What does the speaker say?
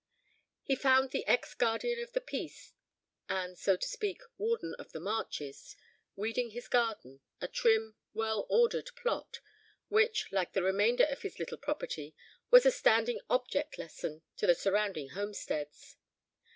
He found the ex guardian of the peace, and, so to speak, warden of the marches, weeding his garden, a trim, well ordered plot, which, like the remainder of his little property, was a standing object lesson to the surrounding homesteads.